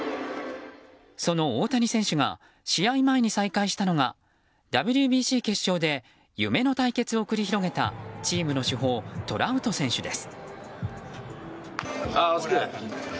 その大谷選手が試合前に再会したのがＷＢＣ決勝で夢の対決を繰り広げたチームの主砲、トラウト選手です。